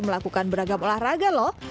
melakukan beragam olahraga loh